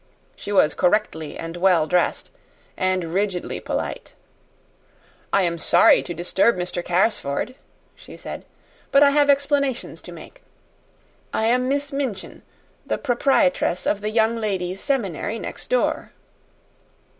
She was correctly and well dressed, and rigidly polite. "I am sorry to disturb Mr. Carrisford," she said; "but I have explanations to make. I am Miss Minchin, the proprietress of the Young Ladies' Seminary next door."